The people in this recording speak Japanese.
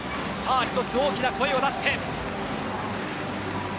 一つ大きな声を出して。